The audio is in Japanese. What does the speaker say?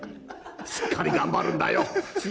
しっかり頑張るんだよ。